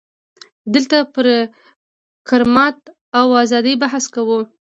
دلته پر کرامت او ازادۍ بحث کوو.